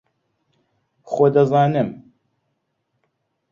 خۆ دەزانم